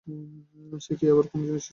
সে কি আবার কোন জিনিস চুরি করিয়া আনিয়াছে?